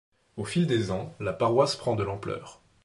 Au fil des ans, la paroisse prend de l'ampleur.